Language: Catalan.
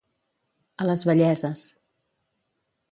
A les velleses.